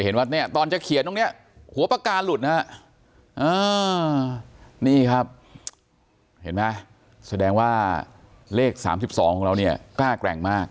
อ๊อนี่ครับเห็นไหมแสดงว่าเลข๓๒ของเรานี่ภาคแกร่งมาก